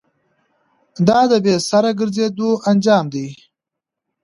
دا د بې سره گرځېدو انجام دی.